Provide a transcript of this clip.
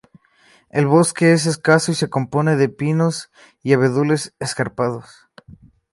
El bosque es escaso y se compone de pinos y abedules escarpados.